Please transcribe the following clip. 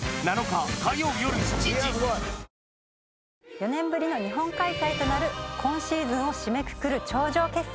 ４年ぶりの日本開催となる今シーズンを締めくくる頂上決戦。